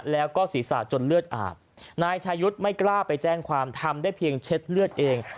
แล้วก็ศีรษะจนเลือดอาบนายชายุทธ์ไม่กล้าไปแจ้งความทำได้เพียงเช็ดเลือดเอง